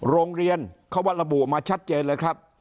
โรงเรียนข้าวัตท์ระบุออกมาชัดเจนเลยครับ